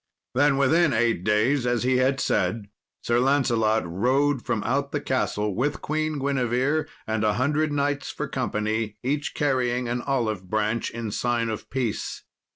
Then, within eight days, as he had said, Sir Lancelot rode from out the castle with Queen Guinevere, and a hundred knights for company, each carrying an olive branch, in sign of peace.